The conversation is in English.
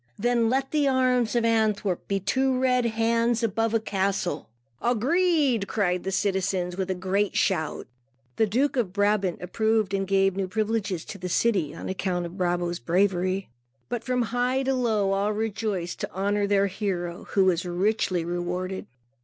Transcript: Then, let the arms of Antwerp be two red hands above a castle." "Agreed," cried the citizens with a great shout. The Duke of Brabant approved and gave new privileges to the city, on account of Brabo's bravery. So, from high to low, all rejoiced to honor their hero, who was richly rewarded.